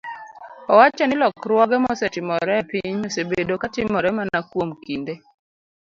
owacho ni lokruoge mosetimore e piny osebedo ka timore mana kuom kinde